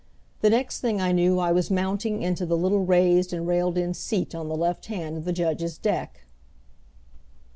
The next thing I knew I was mounting into the little raised and railed in seat on the left hand of the judge's desk.